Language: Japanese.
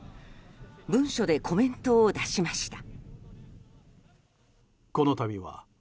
文書でコメントを出しました。